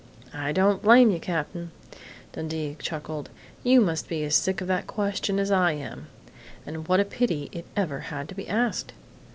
"I don't blame you, Cap'n," Dundee chuckled. "You must be as sick of that question as I am.... And what a pity it ever had to be asked!